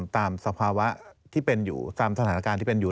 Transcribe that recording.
สภาวะที่เป็นอยู่ตามสถานการณ์ที่เป็นอยู่